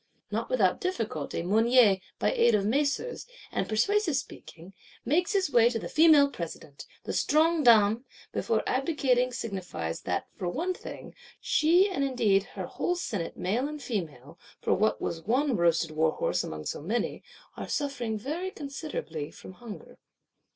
Not without difficulty, Mounier, by aid of macers, and persuasive speaking, makes his way to the Female President: the Strong Dame before abdicating signifies that, for one thing, she and indeed her whole senate male and female (for what was one roasted warhorse among so many?) are suffering very considerably from hunger.